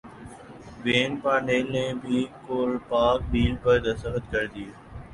when Parnell نے بھی Kolpak deal پر دستخط کردیے